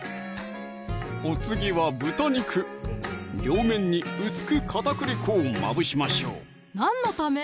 お次は豚肉両面に薄く片栗粉をまぶしましょう何のため？